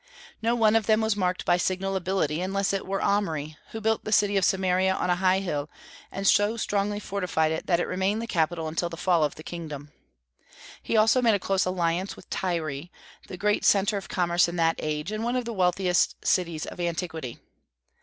No one of them was marked by signal ability, unless it were Omri, who built the city of Samaria on a high hill, and so strongly fortified it that it remained the capital until the fall of the kingdom. He also made a close alliance with Tyre, the great centre of commerce in that age, and one of the wealthiest cities of antiquity.